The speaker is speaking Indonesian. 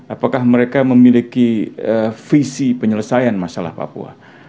apakah mereka memiliki visi penyelesaian masalah papua